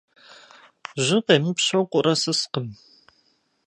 Жьы къемыпщэу къурэ сыскъым.